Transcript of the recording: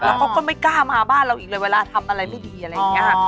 แล้วเขาก็ไม่กล้ามาบ้านเราอีกเลยเวลาทำอะไรไม่ดีอะไรอย่างนี้ค่ะ